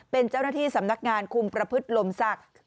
เป็นเจ้าหน้าที่สำนักงานคุมประพฤติลมศักดิ์